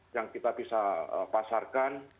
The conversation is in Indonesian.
yang kita bisa pasarkan